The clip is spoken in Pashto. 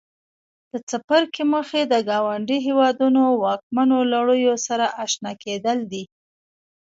د څپرکي موخې د ګاونډیو هېوادونو واکمنو لړیو سره آشنا کېدل دي.